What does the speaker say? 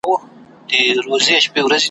پر پخواني حالت نوره هم زیاته کړي ,